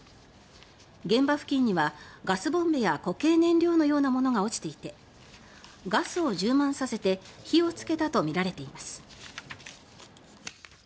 現場付近にはガスボンベや固形燃料のようなものが落ちていてガスを充満させて火をつけたとみられています。